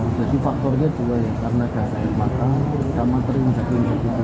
oh jadi faktornya dua ya karena gas air matang sama terinjak injak itu